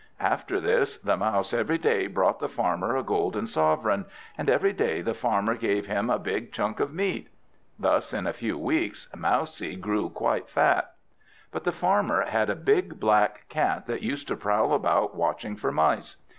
After this the Mouse every day brought the Farmer a golden sovereign, and every day the Farmer gave him a big chunk of meat. Thus in a few weeks Mousie grew quite fat. But the Farmer had a big black cat that used to prowl about watching for mice.